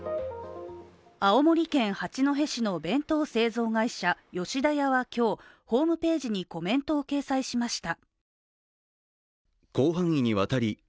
青森県八戸市の弁当製造会社・吉田屋は今日、ホームページにコメントを掲載しました。